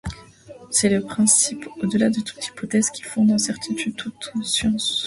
C'est le principe, au-delà de toute hypothèse, qui fonde en certitude toute science.